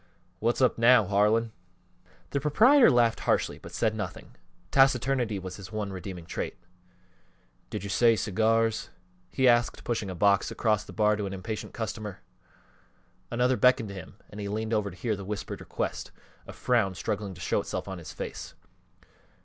"What's up now, Harlan?" The proprietor laughed harshly but said nothing taciturnity was his one redeeming trait. "Did you say cigars?" he asked, pushing a box across the bar to an impatient customer. Another beckoned to him and he leaned over to hear the whispered request, a frown struggling to show itself on his face.